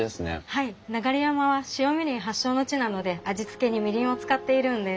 はい流山は白みりん発祥の地なので味つけにみりんを使っているんです。